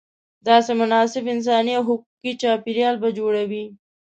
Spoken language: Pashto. داسې مناسب انساني او حقوقي چاپېریال به جوړوې.